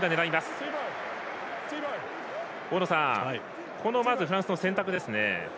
大野さん、フランスの選択ですね。